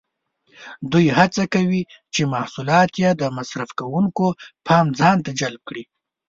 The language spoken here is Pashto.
دوی هڅه کوي چې محصولات یې د مصرف کوونکو پام ځانته جلب کړي.